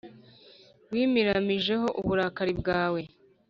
Wimiramijeho uburakari bwawe